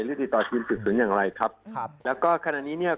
ติดต่อทีมสืบสวนอย่างไรครับครับแล้วก็ขณะนี้เนี่ย